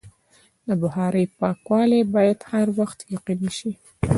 د بخارۍ پاکوالی باید هر وخت یقیني شي.